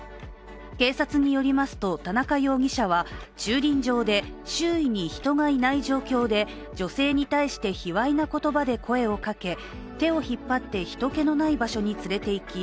警察によりますと、田中容疑者は駐輪場で周囲に人がいない状況で女性に対して卑わいな言葉で声をかけ手を引っ張って人けのない場所へ連れていき